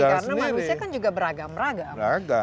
karena manusia kan juga beragam ragam